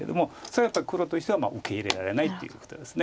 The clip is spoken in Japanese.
それはやっぱり黒としては受け入れられないっていうことです。